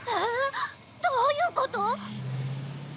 どういうこと？